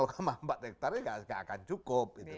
empat hektarnya gak akan cukup